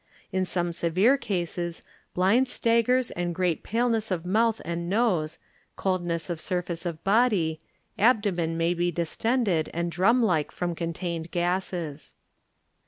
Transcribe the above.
In some severe cases blind staggers and great paleness of mouth and nose, cold ness of surface of body; abdomen may be distended and drum like from con tained gases.